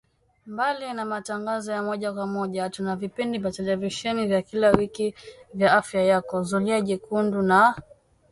Mbali na matangazo ya moja kwa moja tuna vipindi vya televisheni vya kila wiki vya Afya Yako, Zulia Jekundu na